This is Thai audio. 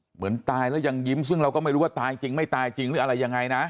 เหมือนตายแล้วยังยิ้มซึ่งเราก็ไม่รู้ว่าตายจริงไม่ตายจริงหรืออะไรยังไงนะ